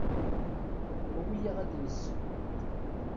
Awi-yaɣ ad d-nezzi.